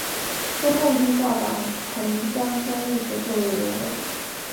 中共地下党曾将该浴池作为联络点。